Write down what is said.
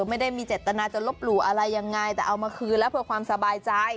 ไม่ได้มีเจตนาจะลบหลู่อะไรยังไงแต่เอามาคืนแล้วเพื่อความสบายใจ